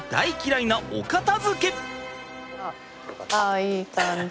あいい感じ。